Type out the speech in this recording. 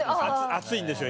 熱いんですよ